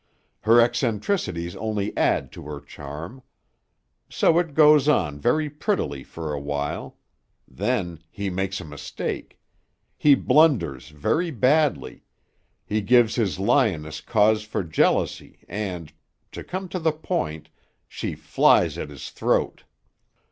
Her eccentricities only add to her charm. So it goes on very prettily for a while. Then he makes a mistake. He blunders very badly. He gives his lioness cause for jealousy and to come to the point she flies at his throat.